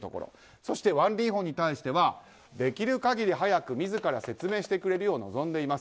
そしてワン・リーホンに対してはできる限り早く自ら説明してくれるよう望んでいます。